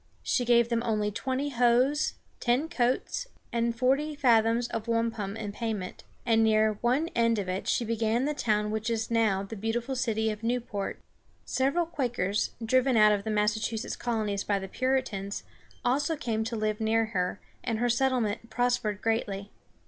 She gave them only twenty hoes, ten coats, and forty fathoms of wampum in payment for it, and near one end of it she began the town which is now the beautiful city of New´port. Several Quakers, driven out of the Massachusetts colonies by the Puritans, also came to live near her, and her settlement prospered greatly.